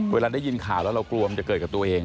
เวลาได้ยินข่าวแล้วเรากลัวมันจะเกิดกับตัวเอง